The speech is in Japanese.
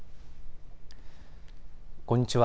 こんにちは。